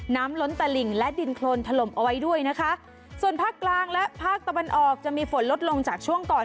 ล้นตะหลิ่งและดินโครนถล่มเอาไว้ด้วยนะคะส่วนภาคกลางและภาคตะวันออกจะมีฝนลดลงจากช่วงก่อน